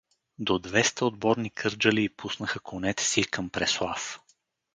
— До двеста отборни кърджалии пуснаха конете си към Преслав.